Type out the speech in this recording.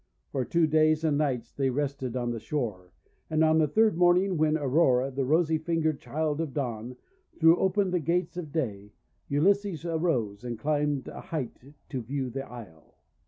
For two days and nights they rested on the shore, and, on the third morning when Aurora, the rosy fingered Child of Dawn, threw open the Gates of Day, Ulysses arose, and climbed a height to view the isle.